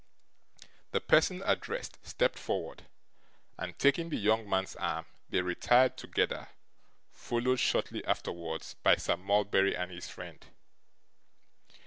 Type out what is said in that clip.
The person addressed stepped forward, and taking the young man's arm, they retired together, followed shortly afterwards by Sir Mulberry and his friend.